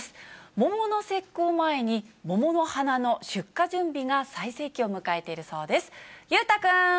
桃の節句を前に、桃の花の出荷準備が最盛期を迎えているそうです。